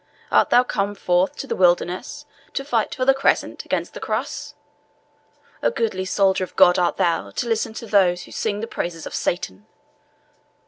Art thou come forth to the wilderness to fight for the Crescent against the Cross? A goodly soldier of God art thou to listen to those who sing the praises of Satan!"